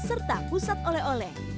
serta pusat oleh oleh